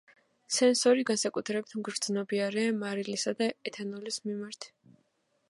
სენსორი განსაკუთრებით მგრძნობიარეა მარილისა და ეთანოლის მიმართ.